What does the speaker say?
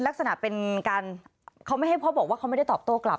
ลักษณะเป็นการเขาไม่ให้พ่อบอกว่าเขาไม่ได้ตอบโต้กลับ